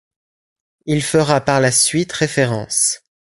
Il fera par la suite référence.